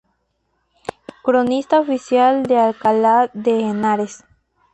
Cronista oficial de Alcalá de Henares.